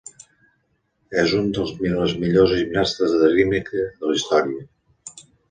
És una de les millors gimnastes de rítmica de la història.